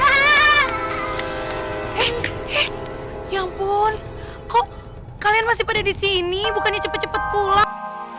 eh ya ampun kok kalian masih pada di sini bukannya cepat cepat pulang